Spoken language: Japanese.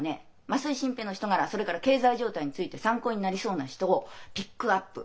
増井新平の人柄それから経済状態について参考になりそうな人をピックアップ！